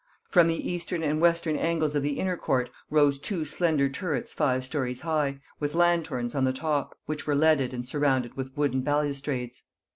From the eastern and western angles of the inner court rose two slender turrets five stories high, with lanthorns on the top, which were leaded and surrounded with wooden balustrades.